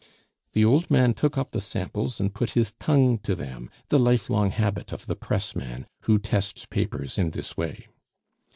The old man took up the samples and put his tongue to them, the lifelong habit of the pressman, who tests papers in this way.